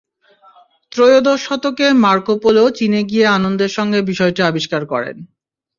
ত্রয়োদশ শতকে Marco Polo চীনে গিয়ে আনন্দের সঙ্গে বিষয়টি আবিষ্কার করেন।